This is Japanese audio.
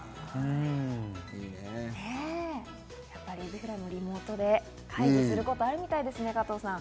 やっぱりエビフライもリモートで会議することあるみたいですね、加藤さん。